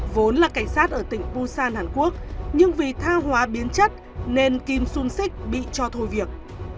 vốn là cảnh sát ở tỉnh busan hàn quốc nhưng vì tha hóa biến chất nên kim sung sích bị cho thôi việc